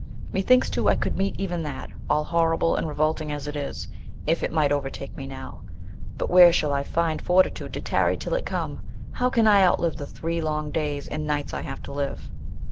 Methinks, too, I could meet even that — all ln>rrible and re volting as it is — if it might overtake me now. But where shall I find for titude to tarry till it come.? can 1 outlive the three long days niirhts 1 have to live?